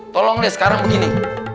tolong deh sekarang begini